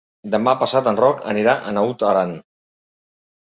Demà passat en Roc anirà a Naut Aran.